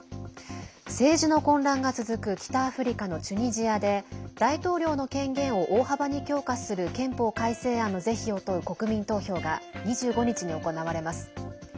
政治の混乱が続く北アフリカのチュニジアで大統領の権限を大幅に強化する憲法改正案の是非を問う国民投票が２５日に行われます。